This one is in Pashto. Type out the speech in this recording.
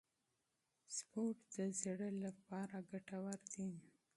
سپورت د زړه لپاره ګټور دی.